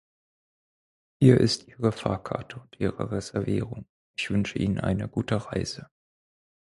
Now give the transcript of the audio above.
Hier ist Ihre Fahrkarte und Ihre Reservierung – ich wünsche Ihnen eine gute Reise!